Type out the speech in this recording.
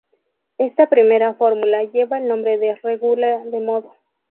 Esta primera fórmula lleva el nombre de "regula de modo".